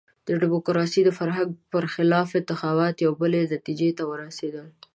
د ډیموکراسۍ د فرهنګ برخلاف انتخابات یوې بلې نتیجې ته ورسېدل.